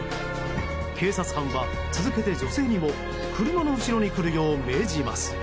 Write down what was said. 警察官は続けて女性にも車の後ろに来るよう命じます。